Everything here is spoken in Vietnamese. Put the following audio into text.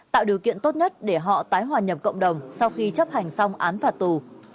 tạo điều kiện tốt nhất để họ tái hòa nhập cộng đồng sau khi chấp hành xong án phạt tù